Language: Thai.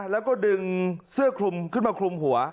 แล้วก็ดึงเสื้อคลุมขึ้นมาคลุมหัว